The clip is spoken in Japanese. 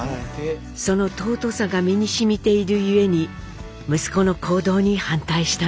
その尊さが身にしみている故に息子の行動に反対したのです。